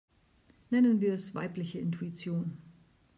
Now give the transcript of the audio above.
Nennen wir es weibliche Intuition.